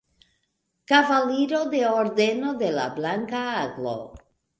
Kavaliro de Ordeno de la Blanka Aglo.